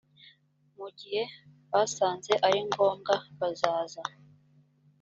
mu gihe basanze ari ngombwa bazaza.